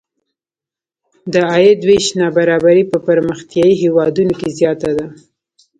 د عاید وېش نابرابري په پرمختیايي هېوادونو کې زیاته ده.